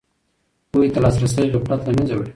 پوهې ته لاسرسی غفلت له منځه وړي.